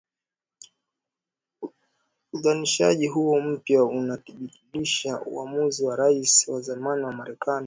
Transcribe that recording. Uidhinishaji huo mpya unabatilisha uamuzi wa Rais wa zamani wa Marekani